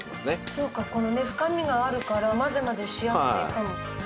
そうかこのね深みがあるからまぜまぜしやすいかも。